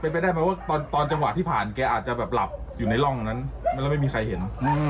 เป็นไปได้ไหมว่าตอนจังหวะที่ผ่านแกอาจจะแบบหลับอยู่ในร่องนั้นแล้วไม่มีใครเห็น